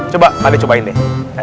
coba pak ade cobain deh